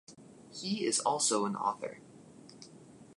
He is also an author.